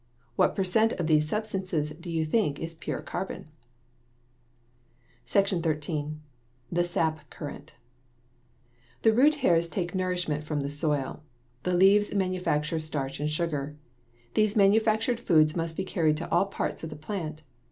What per cent of these substances do you think is pure carbon? SECTION XIII. THE SAP CURRENT The root hairs take nourishment from the soil. The leaves manufacture starch and sugar. These manufactured foods must be carried to all parts of the plant.